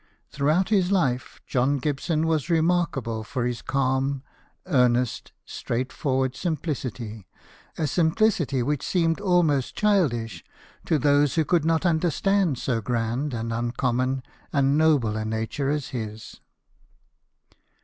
Throughout his life, John Gibson was remarkable for his calm, earnest, straightforward simplicity, a simplicity which seemed almost childish to those who could not understand so grand and uncommon and noble a nature as his.